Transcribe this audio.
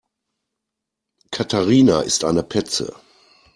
Katharina ist eine Petze.